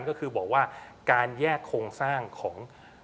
ก็คือบอกว่าการแยกโครงสร้างของ